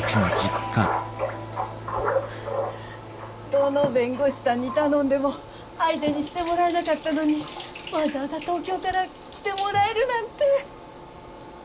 どの弁護士さんに頼んでも相手にしてもらえなかったのにわざわざ東京から来てもらえるなんて。